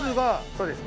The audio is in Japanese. そうです。